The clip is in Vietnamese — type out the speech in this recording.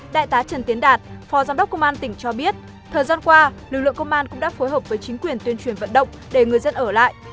đại tá trần tiến đạt phó giám đốc công an tỉnh cho biết thời gian qua lực lượng công an cũng đã phối hợp với chính quyền tuyên truyền vận động để người dân ở lại